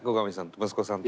息子さんと。